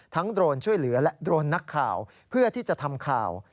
โดรนช่วยเหลือและโดรนนักข่าวเพื่อที่จะทำข่าว